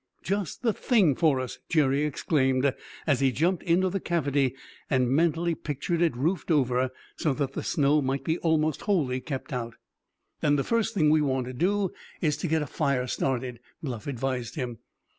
"Just the thing for us!" Jerry exclaimed, as he jumped into the cavity and mentally pictured it roofed over so that the snow might be almost wholly kept out. "Then the first thing we want to do is to get a fire started," Bluff advised him.